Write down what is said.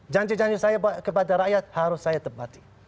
janji janji saya kepada rakyat harus saya tepati